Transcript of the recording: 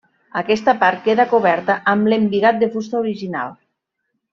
Aquesta part queda coberta amb l'embigat de fusta original.